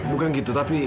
bukan gitu tapi